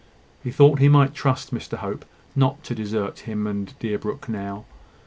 He thought he might trust Mr Hope not to desert him and Deerbrook now.